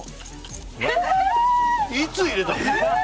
いつ入れたの？